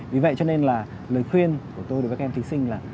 vì vậy cho nên là lời khuyên của tôi đối với các em thí sinh là